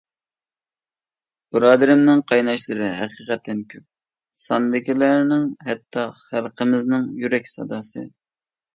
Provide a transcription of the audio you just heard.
بۇرادىرىمنىڭ قايناشلىرى ھەقىقەتەن كۆپ ساندىكىلەرنىڭ، ھەتتا خەلقىمىزنىڭ يۈرەك ساداسى.